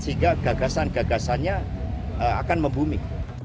sehingga gagasan gagasannya akan membumi